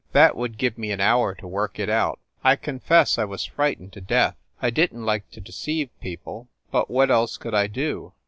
That would give me an hour to work it out. I confess I was frightened to death. I didn t like to deceive people, but what else could I do?